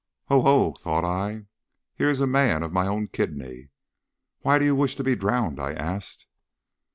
"Ho! ho!" thought I, "here is a man of my own kidney. Why do you wish to be drowned?" I asked.